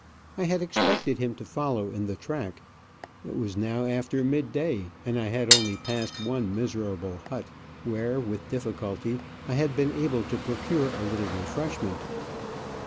I had expected him to follow in the track ; it was now after mid day, and I had only passed one miserable hut, where, with difficulty, I had been able to procure a little refreshment.